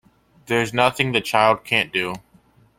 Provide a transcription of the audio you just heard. There's nothing the child can't do.